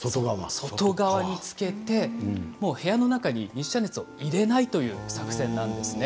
外側につけて部屋の中に日射熱を入れない作戦です。